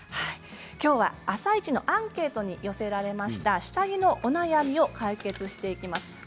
きょうは「あさイチ」のアンケートに寄せられた下着のお悩みを解決していきます。